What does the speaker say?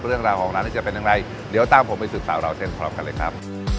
เรื่องราวของร้านนี้จะเป็นอย่างไรเดี๋ยวตามผมไปสืบสาวราวเส้นพร้อมกันเลยครับ